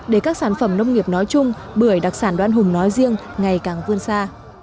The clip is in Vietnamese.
để các sản phẩm nông nghiệp nói chung bưởi đoan hùng nói riêng ngày càng vươn xa